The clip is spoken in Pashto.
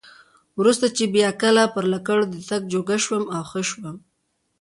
وروسته چې بیا کله پر لکړو د تګ جوګه شوم او ښه وم.